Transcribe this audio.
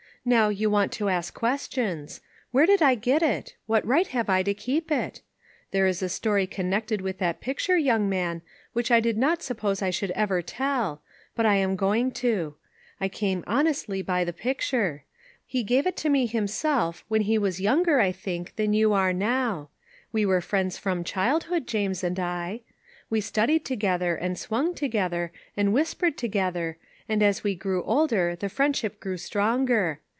Now, you want to ask questions. Where did I get it? What right have I to keep it? There is a story connected with that picture, young man, which I did not suppose I should ever tell ; but I am going to. I came honestly by the picture. He gave it to me himself, when he was younger, I LIGHT OUT OF DARKNESS. 421 think, than you are now. We were friends from childhood, James and I. We studied together, and swung together, and whispered together, and as we grew older the friend ship grew stronger.